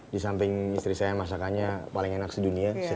di samping istri saya masakannya paling enak sedunia